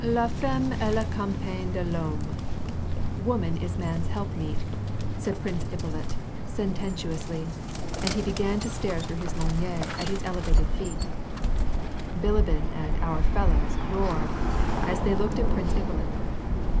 " "Za femrrve est la compagne de Vhomme — woman is man's helpmeet," said Prince Ippolit sententiously, and he began to stare through his lorgnette at his elevated feet. Bilibin and "our fellows" roared, as they looked at Prince Ippolit.